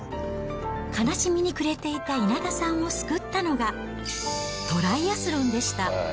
悲しみに暮れていた稲田さんを救ったのがトライアスロンでした。